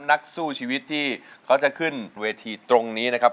นักสู้ชีวิตที่เขาจะขึ้นเวทีตรงนี้นะครับ